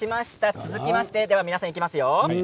続きまして皆さんいきますよ。